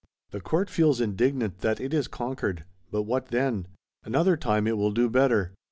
The Court feels indignant that it is conquered; but what then? Another time it will do better.